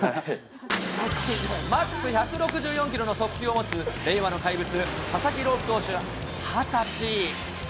マックス１６４キロの速球を持つ令和の怪物、佐々木朗希投手２０歳。